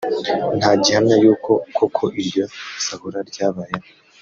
nta gihamya yuko koko iryo sahura ryabayeho